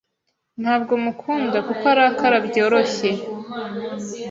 Ntabwo mukunda kuko arakara byoroshye.